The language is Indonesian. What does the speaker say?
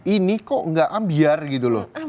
ini kok nggak ambiar gitu loh